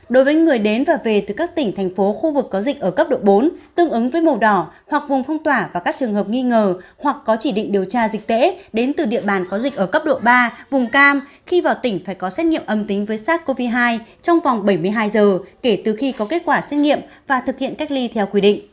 đối với người đến và về từ các tỉnh thành phố khu vực có dịch ở cấp độ bốn tương ứng với màu đỏ hoặc vùng phong tỏa và các trường hợp nghi ngờ hoặc có chỉ định điều tra dịch tễ đến từ địa bàn có dịch ở cấp độ ba vùng cam khi vào tỉnh phải có xét nghiệm âm tính với sars cov hai trong vòng bảy mươi hai giờ kể từ khi có kết quả xét nghiệm và thực hiện cách ly theo quy định